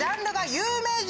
有名人？